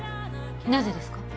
なぜですか？